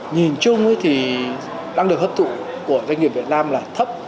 nhìn chung thì năng lực hấp thụ của doanh nghiệp việt nam là thấp